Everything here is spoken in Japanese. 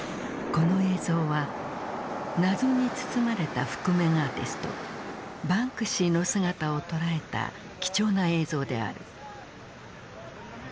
この映像は謎に包まれた覆面アーティストバンクシーの姿を捉えた貴重な映像である。